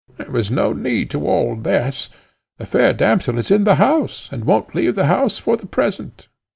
There was no need of all this: the fair damsel is in the house, and won't leave the house for the present."